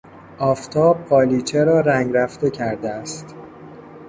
آفتاب قالیچه را رنگ رفته کرده است.